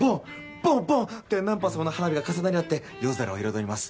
ボンボン！って何発もの花火が重なり合って夜空を彩ります。